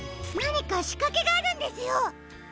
なにかしかけがあるんですよ。